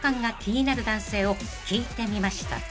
［聞いてみました］